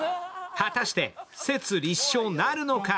果たして説立証なるのか？